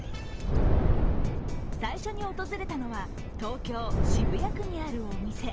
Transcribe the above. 最初に訪れたのは東京・渋谷区にあるお店。